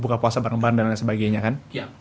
buka puasa bareng bandara dan sebagainya kan